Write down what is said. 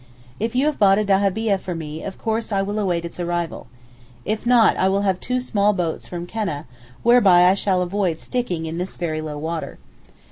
If you have bought a dahabieh for me of course I will await its arrival. If not I will have two small boats from Keneh, whereby I shall avoid sticking in this very low water.